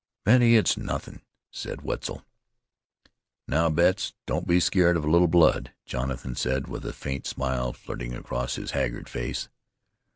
"Betty, it's nothin'," said Wetzel. "Now, Betts, don't be scared of a little blood," Jonathan said with a faint smile flitting across his haggard face.